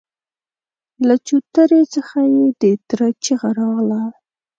له چوترې څخه يې د تره چيغه راغله!